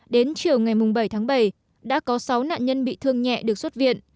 đến chiều ngày bảy tháng bảy đã có sáu nạn nhân bị thương nhẹ được xuất viện